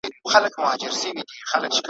خلکو هېر کړل چي یې ایښي وه نذرونه ,